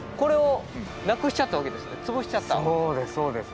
そうですそうです。